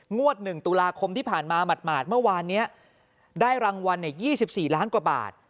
งวด๑ตุลาคมที่ผ่านมาหมาดเมื่อวานนี้ได้รางวัล๒๔ล้านกว่าบาท